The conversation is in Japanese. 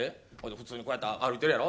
普通に、こうやって歩いてるやろ。